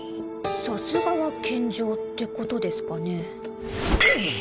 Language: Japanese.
さすがは健丈ってことですかね。